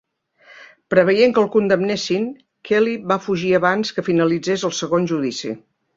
Preveient que el condemnessin, Kelly va fugir abans que finalitzés el segon judici.